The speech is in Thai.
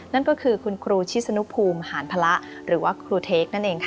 นั่นก็คือคุณครูชิสนุภูมิหารพละหรือว่าครูเทคนั่นเองค่ะ